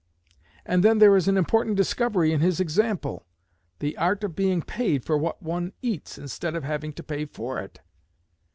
And then there is an important discovery in his example the art of being paid for what one eats, instead of having to pay for it.